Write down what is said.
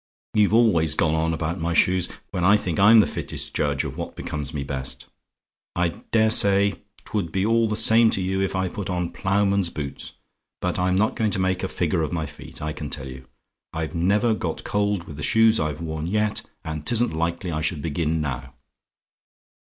You've always gone on about my shoes; when I think I'm the fittest judge of what becomes me best. I dare say, 'twould be all the same to you if I put on ploughman's boots; but I'm not going to make a figure of my feet, I can tell you. I've never got cold with the shoes I've worn yet, and 'tisn't likely I should begin now.